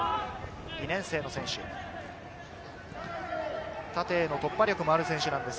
２年生の選手です。